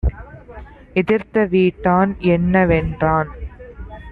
எதிர்த்த வீட்டான் என்ன வென்றான்.